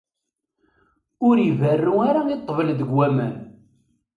Ur iberru ara i ṭṭbel deg waman.